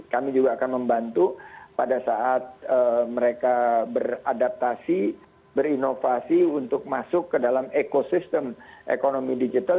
kami juga akan membantu pada saat mereka beradaptasi berinovasi untuk masuk ke dalam ekosistem ekonomi digital